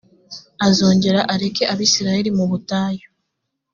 azongera areke abisirayeli mu butayu